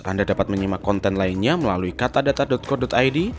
anda dapat menyimak konten lainnya melalui katadata co id